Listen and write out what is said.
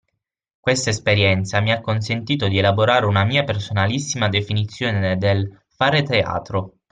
Questa esperienza mi ha consentito di elaborare una mia personalissima definizione del “fare teatro”